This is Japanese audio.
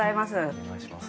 お願いします。